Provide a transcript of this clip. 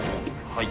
はい。